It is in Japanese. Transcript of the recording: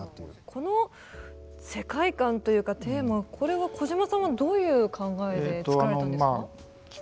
この世界観というかテーマこれは小島さんはどういう考えでつくられたんですか？